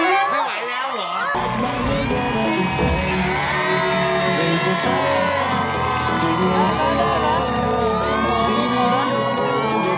เยี่ยมมาก